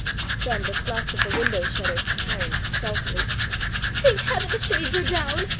Then the slats of the window shutters turned stealthily. "Thank heaven the shades are down!"